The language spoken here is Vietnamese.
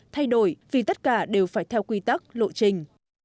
thay đổi vì tất cả đều phải theo quy tắc lộ trình